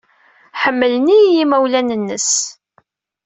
Ḥemmlen-iyi yimawlan-nnes.